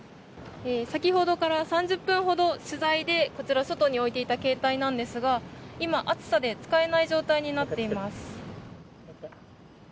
先ほどから３０分ほど取材でこちら外に置いていた携帯なんですが今、暑さで使えない状態になっています。